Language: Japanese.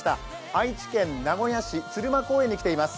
愛知県名古屋市、鶴舞公園に来ています。